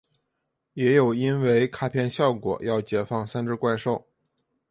也有因为卡片效果要解放三只怪兽。